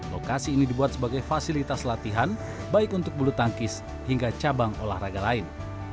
lokasi ini dibuat sebagai fasilitas latihan baik untuk bulu tangkis hingga cabang olahraga lain